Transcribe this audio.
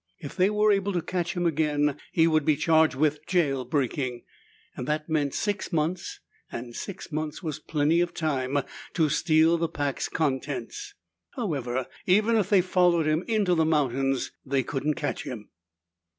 If they were able to catch him again, he would be charged with jail breaking. That meant six months, and six months was plenty of time to steal the pack's contents. However, even if they followed him into the mountains, they couldn't catch him.